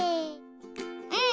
うん！